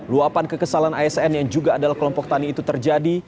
luapan kekesalan asn yang juga adalah kelompok tani itu terjadi